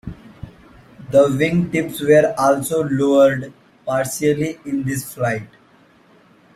The wing tips were also lowered partially in this flight.